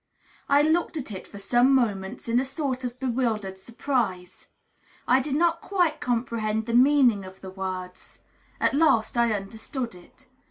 I looked at it for some moments in a sort of bewildered surprise: I did not quite comprehend the meaning of the words. At last I understood it.